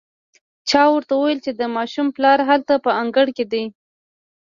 چا ورته وويل چې د ماشوم پلار هلته په انګړ کې دی.